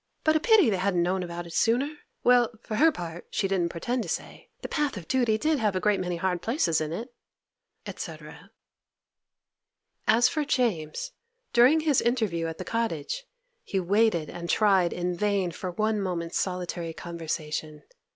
But a pity they hadn't known about it sooner. Well, for her part, she didn't pretend to say; the path of duty did have a great many hard places in it,' &c. As for James, during his interview at the cottage, he waited and tried in vain for one moment's solitary conversation.